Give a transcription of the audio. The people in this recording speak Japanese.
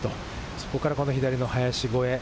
そこから左の林越え。